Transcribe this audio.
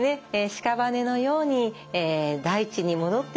しかばねのように大地に戻っていく。